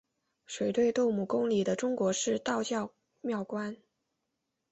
水碓斗母宫里的中国式道教庙观。